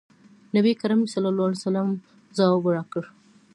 نبي کریم صلی الله علیه وسلم ځواب راکړ.